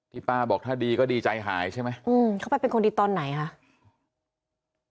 ป้าบอกถ้าดีก็ดีใจหายใช่ไหมอืมเขาไปเป็นคนดีตอนไหนคะ